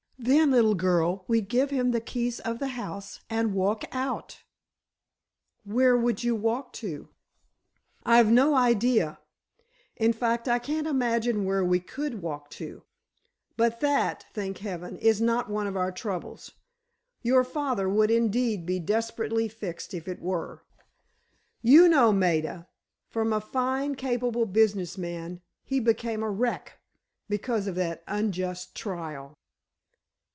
"Then, little girl, we'd give him the keys of the house, and walk out." "Where would we walk to?" "I've no idea. In fact, I can't imagine where we could walk to. But that, thank heaven, is not one of our troubles. Your father would indeed be desperately fixed if it were! You know, Maida, from a fine capable business man, he became a wreck, because of that unjust trial."